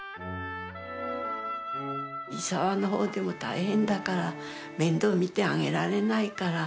伊澤の方でも大変だから面倒見てあげられないから。